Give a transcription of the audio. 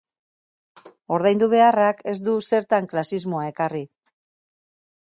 Ordaindu beharrak ez du zertan klasismoa ekarri.